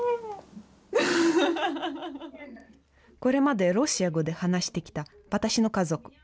これまでロシア語で話してきた私の家族。